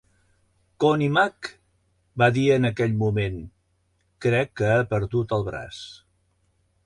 Connie Mack va dir en aquell moment: "Crec que ha perdut el braç".